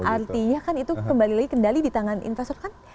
artinya kan itu kembali lagi kendali di tangan investor kan